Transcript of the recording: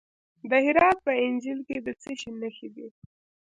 د هرات په انجیل کې د څه شي نښې دي؟